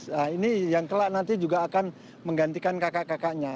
nah ini yang kelak nanti juga akan menggantikan kakak kakaknya